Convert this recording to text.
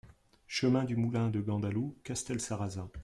Chemin du Moulin de Gandalou, Castelsarrasin